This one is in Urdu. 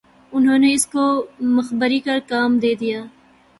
انہوں نے اس کو مخبری کا کام دے دیا